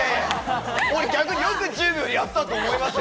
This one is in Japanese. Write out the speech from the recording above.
逆によく１０秒でやったと思いますよ。